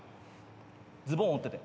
ズボン折ってて。